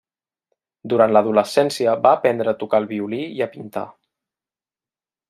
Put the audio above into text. Durant l'adolescència va aprendre a tocar el violí i a pintar.